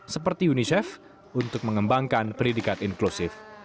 seperti unicef untuk mengembangkan pendidikan inklusif